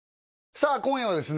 さあ今夜はですね